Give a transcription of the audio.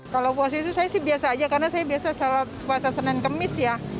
kalau puasa itu saya sih biasa aja karena saya biasa sholat puasa senin kemis ya